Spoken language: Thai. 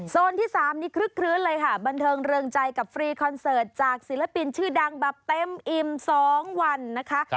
ที่๓นี้คลึกคลื้นเลยค่ะบันเทิงเริงใจกับฟรีคอนเสิร์ตจากศิลปินชื่อดังแบบเต็มอิ่ม๒วันนะคะ